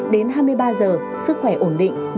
đến hai mươi ba giờ sức khỏe ổn định